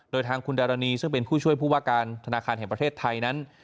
โดยทางคุณดารณีซึ่งเป็นผู้ช่วยผู้ว่าการธนาคารแห่งประเทศไทยนั้น